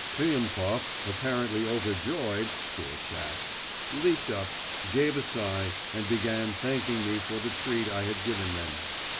Priemkov, apparently overjoyed (poor chap!), leaped up, gave a sigh, and began thanking me for the treat I had given them.